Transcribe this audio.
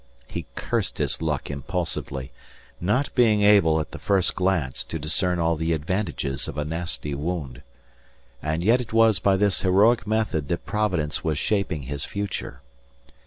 He cursed his luck impulsively, not being able, at the first glance, to discern all the advantages of a nasty wound. And yet it was by this heroic method that Providence was shaping his future.